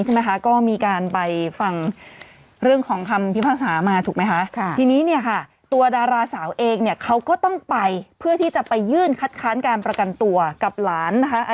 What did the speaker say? สาวเองเนี่ยเขาก็ต้องไปเพื่อที่จะไปยื่นคัดค้านการประกันตัวกับหลานนะคะ